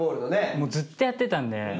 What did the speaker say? もうずっとやってたんで。